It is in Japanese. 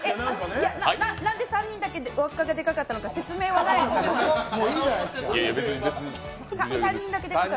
いや、なんで３人だけ輪っかがでかかったのか説明はないのかなって。